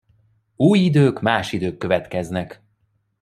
Új idők, más idők következnek.